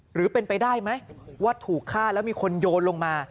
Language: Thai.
หรือเป็นไปได้ไหมว่าถูกฆ่าแล้วมีคนโยนลงมา